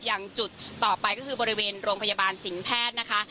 อย่างจุดต่อไปก็คือบริเวณโรงพยาบาลสิงหแพทย์นะคะ